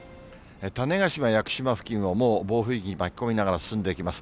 種子島・屋久島付近をもう暴風域に巻き込みながら進んでいきます。